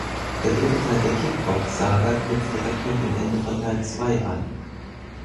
Der dritte Teil der Kickbox-Saga knüpft direkt nach dem Ende von Teil zwei an.